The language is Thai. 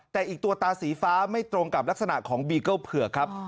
แต่อีกตัวตาสีฟ้าไม่ตรงกับลักษณะของบีเกิ้ลเผือกครับ